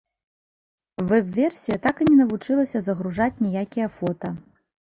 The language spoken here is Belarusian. Вэб-версія так і не навучылася загружаць ніякія фота.